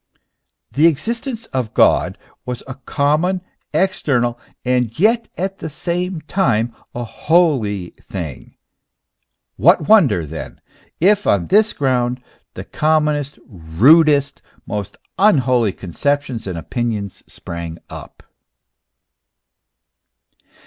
The existence of God was a common, external, and yet at the same time a holy thing : what wonder, then, if on this ground the commonest, rudest, most unholy conceptions and opinions sprang up